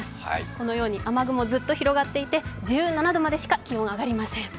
このように雨雲ずっと広がっていて１７度しか気温が上がりません。